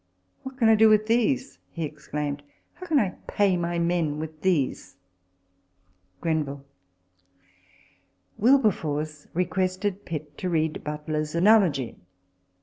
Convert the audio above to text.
" What can I do with these ?" he exclaimed ;" how can I pay my men with them ?" Wilber force requested Pitt to read Butler's " Analogy."